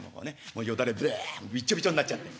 もうよだれべえびっちょびちょになっちゃって。